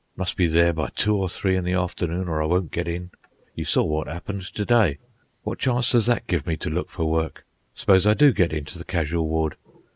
Must be there by two or three in the afternoon or I won't get in. You saw what happened to day. What chance does that give me to look for work? S'pose I do get into the casual ward?